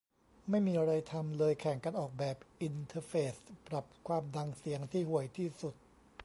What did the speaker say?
ไม่มีไรทำ เลยแข่งกันออกแบบอินเทอร์เฟซปรับความดังเสียงที่ห่วยที่สุด